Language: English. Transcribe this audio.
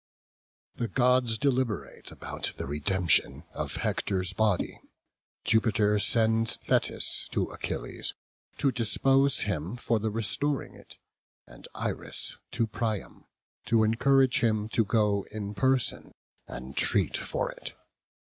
The gods deliberate about the redemption of Hector's body. Jupiter sends Thetis to Achilles to dispose him for the restoring it, and Iris to Priam, to encourage him to go in person, and treat for it.